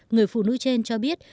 người phụ nữ trên cho biết